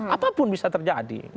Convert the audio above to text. apapun bisa terjadi